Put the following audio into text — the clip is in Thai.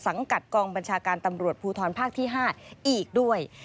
กับกองบัญชาการตำรวจภูทรภาคที่๕อีกด้วย